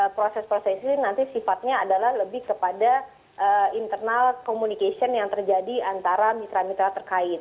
proses proses ini nanti sifatnya adalah lebih kepada internal communication yang terjadi antara mitra mitra terkait